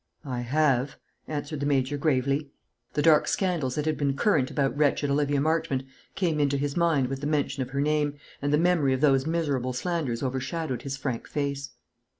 "I have," answered the Major, gravely. The dark scandals that had been current about wretched Olivia Marchmont came into his mind with the mention of her name, and the memory of those miserable slanders overshadowed his frank face.